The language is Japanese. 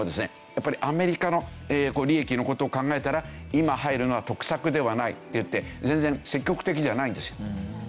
やっぱりアメリカの利益の事を考えたら今入るのは得策ではないっていって全然積極的じゃないんですよ。